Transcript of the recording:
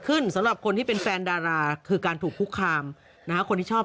สำหรับคนที่เป็นแฟนดาราคือการถูกคุกคามนะฮะคนที่ชอบ